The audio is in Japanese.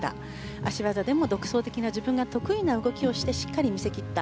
脚技でも独創的な自分が得意な動きをしてしっかり見せ切った。